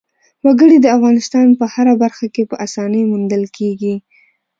وګړي د افغانستان په هره برخه کې په اسانۍ موندل کېږي.